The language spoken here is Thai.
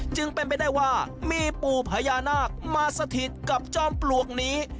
จึงเป็นไปได้ว่ามีปู่พญานาคมาสถิตกับจอมปลวกนี้